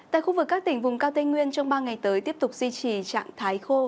tại khu vực các tỉnh vùng cao tây nguyên trong ba ngày tới tiếp tục duy trì trạng thái khô